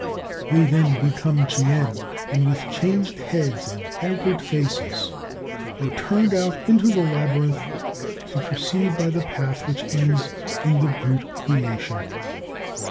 They then become chien, and with changed heads and altered faces are turned out into the labyrinth to proceed by the path which ends in the brute creation.